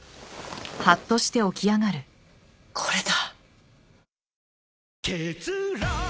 これだ。